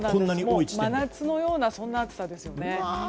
真夏のような暑さですよね。